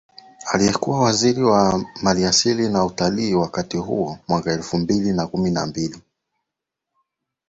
aliyekuwa Waziri wa Maliasili na Utalii wakati huo Mwaka elfu mbili na kumi na